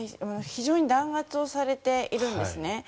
非常に弾圧されているんですね。